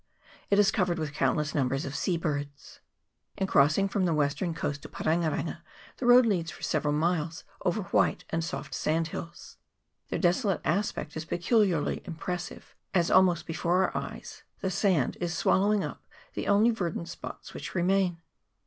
It is covered with countless numbers of sea birds. In crossing from the western coast to Parenga renga the road leads for several miles over white and soft sand hills. Their desolate aspect is peculiarly impressive, as almost before our eyes the sand is swallowing up the only verdant spots which remain.